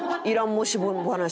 もしも話。